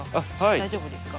大丈夫ですか？